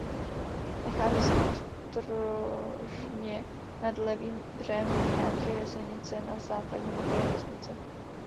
Nachází se na ostrožně nad levým břehem vodní nádrže Jesenice na západním okraji vesnice.